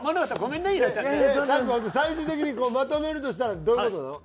最終的にまとめるとしたらどういう事なの？